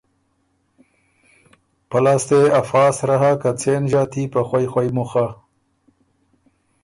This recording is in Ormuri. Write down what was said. ”په لاسته يې افا سرۀ هۀ که څېن ݫاتي په خوئ خوئ مُخه“۔